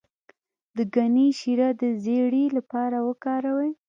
د ګني شیره د زیړي لپاره وکاروئ